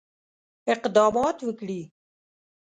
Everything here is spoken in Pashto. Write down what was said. اقدامات وکړي.